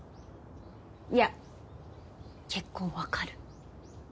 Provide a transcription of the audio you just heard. いや結構分かる。